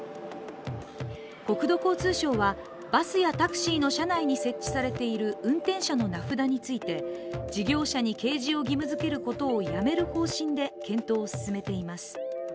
国土交通省はバスやタクシーの車内に設置されている運転者の名札について事業者に掲示を義務づけることをやめる方針で検討を進めています。